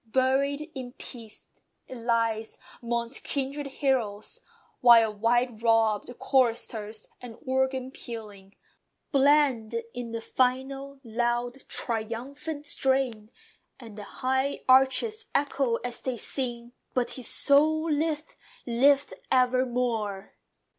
"Buried in peace," it lies, 'mongst kindred heroes: While white robed choristers, and organ pealing, Blend in the final, loud, triumphant strain, And the high arches echo as they sing, "But his soul liveth! LIVETH EVERMORE!"